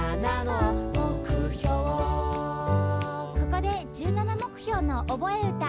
ここで「１７目標のおぼえうた」。